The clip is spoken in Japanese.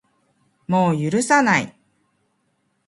もう許さない